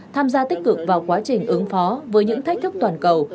tham gia tích cực vào quá trình ứng phó với những thách thức toàn cầu